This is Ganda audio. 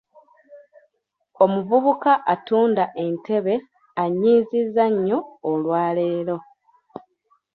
Omuvubuka atunda entebe annyiizizza nnyo olwaleero.